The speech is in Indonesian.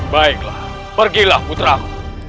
baiklah pergilah putra aku